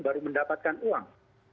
baru mendapatkan uang